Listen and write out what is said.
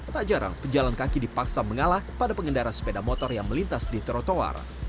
tak jarang pejalan kaki dipaksa mengalah pada pengendara sepeda motor yang melintas di trotoar